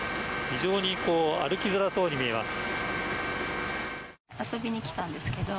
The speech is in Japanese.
非常に歩きづらそうに見えます。